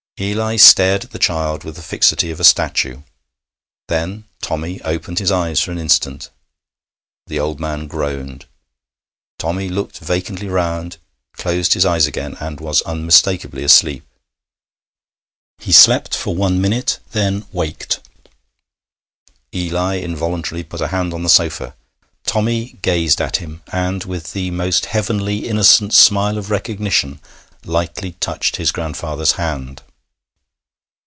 Eli stared at the child with the fixity of a statue. Then Tommy opened his eyes for an instant. The old man groaned. Tommy looked vacantly round, closed his eyes again, and was unmistakably asleep. He slept for one minute, and then waked. Eli involuntarily put a hand on the sofa. Tommy gazed at him, and, with the most heavenly innocent smile of recognition, lightly touched his grandfather's hand.